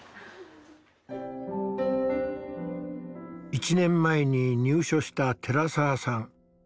１年前に入所した寺澤さん。